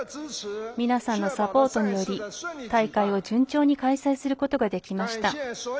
皆さんのサポートにより大会を順調に開催することができました。